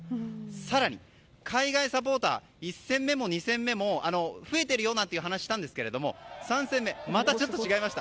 更に、海外サポーター１戦目も２戦目も増えているよという話はしたんですが、３戦目はまたちょっと違いました。